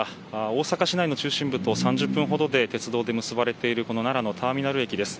大阪市内の中心部と３０分ほどで鉄道で結ばれている奈良のターミナル駅です。